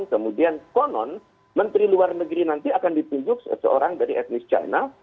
kemudian konon menteri luar negeri nanti akan ditunjuk seorang dari etnis china